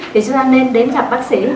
thì chúng ta nên đến gặp bác sĩ